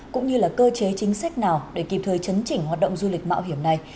cũng như là cơ chế chính sách nào để kịp thời chấn chỉnh hoạt động du lịch mạo hiểm này